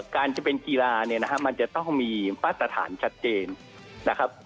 การจะเป็นกีฬาเนี่ยนะฮะมันจะต้องมีมาตรฐานชัดเจนนะครับ